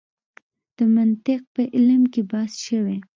د منطق په علم کې بحث شوی.